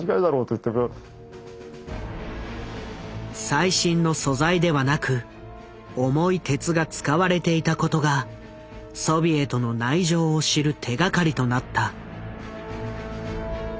最新の素材ではなく重い鉄が使われていたことがソビエトの内情を知る手がかりとなった。